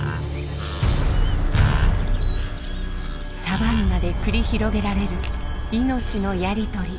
サバンナで繰り広げられる命のやり取り。